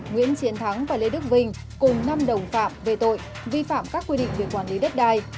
nguyễn chiến thắng và lê đức vinh cùng năm đồng phạm về tội vi phạm các quy định về quản lý đất đai